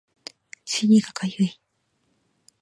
尻がかゆい